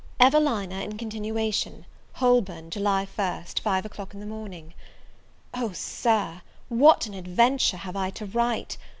EVELINA IN CONTINUATION. Holborn, July 1. 5 o'clock in the morning. O SIR, what and adventure have I to write!